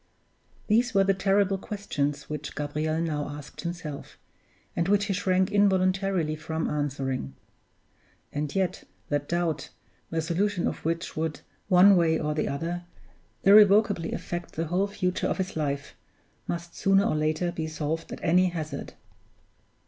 These were the terrible questions which Gabriel now asked himself, and which he shrank involuntarily from answering. And yet that doubt, the solution of which would, one way or the other, irrevocably affect the whole future of his life, must sooner or later be solved at any hazard!